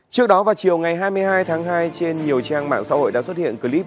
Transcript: trước đó vào chiều ngày hai mươi hai tháng hai trên nhiều trang mạng xã hội đã xuất hiện clip